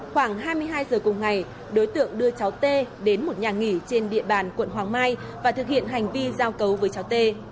khoảng hai mươi hai giờ cùng ngày đối tượng đưa cháu tê đến một nhà nghỉ trên địa bàn quận hoàng mai và thực hiện hành vi giao cấu với cháu tê